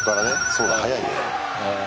そうだ早いね。